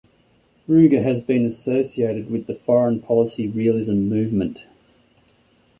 Ruger has been associated with the foreign policy realism movement.